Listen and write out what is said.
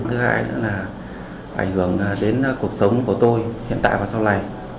thứ hai nữa là ảnh hưởng đến cuộc sống của tôi hiện tại và sau này